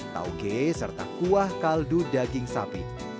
tauge serta kuah kaldu daging sapi